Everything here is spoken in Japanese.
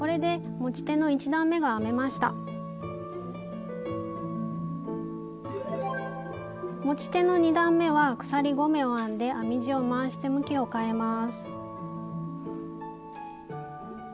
持ち手の２段めは鎖５目を編んで編み地を回して向きを変えます。